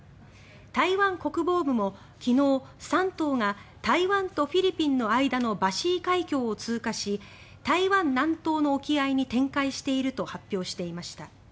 台湾国防部も昨日、「山東」が台湾とフィリピンの間のバシー海峡を通過し台湾南東の沖合に展開していると発表していました。